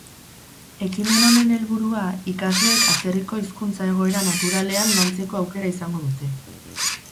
Ekimen honen helburua, ikasleek atzerriko hizkuntza egoera naturalean lantzeko aukera izango dute.